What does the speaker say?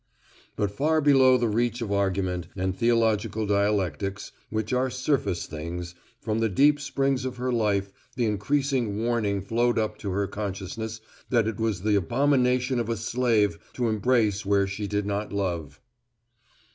But far below the reach of argument and theological dialectics, which are surface things, from the deep springs of her life the increasing warning flowed up to her consciousness that it was the abomination of a slave to embrace where she did not love.